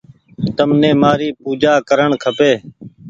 تمني مآري پوجآ ڪرڻ کپي